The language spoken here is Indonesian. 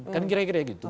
kan kira kira gitu